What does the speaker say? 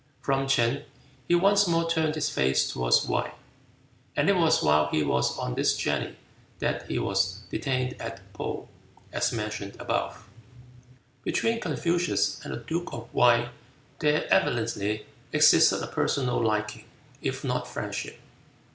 From Ch'in he once more turned his face toward Wei, and it was while he was on this journey that he was detained at Poo, as mentioned above. Between Confucius and the duke of Wei there evidently existed a personal liking, if not friendship.